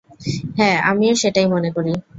হ্যাঁ আমিও সেটাই মনে করি।